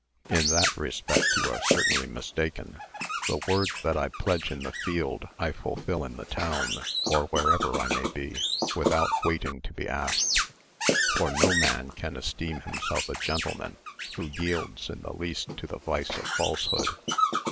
In that respect you are certainly mistaken. The word that I pledge in the field I fulfil in the town, or wherever I may be, without waiting to be asked; for no man can esteem himself a gentleman, who yields in the least to the vice of falsehood.